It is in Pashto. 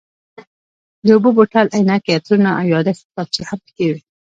د اوبو بوتل، عینکې، عطرونه او یادښت کتابچې هم پکې وې.